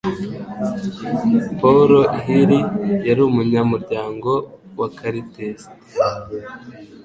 Paul Hill yari umunyamuryango wa quartet